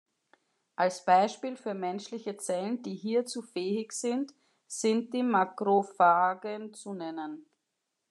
Als Beispiel für menschliche Zellen, die hierzu fähig sind, sind die Makrophagen zu nennen.